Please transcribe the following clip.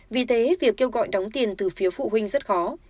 vì thế việc kêu gọi đóng tiền từ phía phụ huynh rất khó